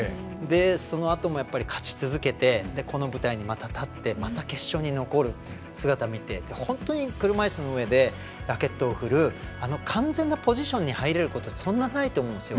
そのあとも勝ち続けてこの舞台にまた立ってまた決勝に残る姿を見て車いすの上でラケットを振るあの完全なポジションに入れることってそんなにないと思うんですよ。